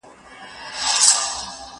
زه کښېناستل کړي دي،